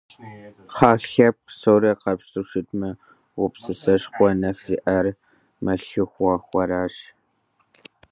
Хьэ лъэпкъ псори къапщтэу щытмэ, гупсысэшхуэ нэхъ зиӀэр мэлыхъуэхьэращ.